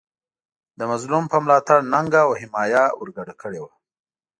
د مظلوم په ملاتړ ننګه او حمایه ورګډه کړې وه.